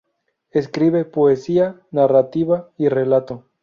Escribe poesía, narrativa y relato.